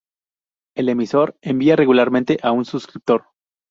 El "emisor" envía regularmente a un "suscriptor".